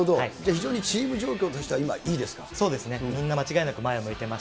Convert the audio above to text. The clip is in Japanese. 非常にチーム状況そうですね、みんな間違いなく前を向いています。